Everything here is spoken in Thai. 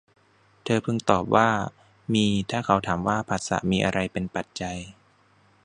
เธอพึงตอบว่ามีถ้าเขาถามว่า ผัสสะมีอะไรเป็นปัจจัย